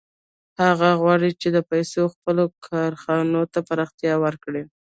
هغوی غواړي چې په پیسو خپلو کارخانو ته پراختیا ورکړي